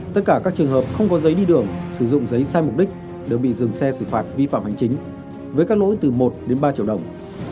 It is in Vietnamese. tất cả các trường hợp không có giấy đi đường sử dụng giấy sai mục đích đều bị dừng xe xử phạt vi phạm hành chính với các lỗi từ một đến ba triệu đồng